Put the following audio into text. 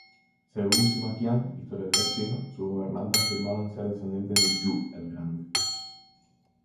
Según Sima Qian historiador chino, sus gobernantes afirmaban ser descendientes de Yu el Grande.